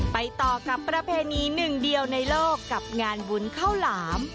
ไปต่อกับประเพณีหนึ่งเดียวในโลกกับงานบุญข้าวหลาม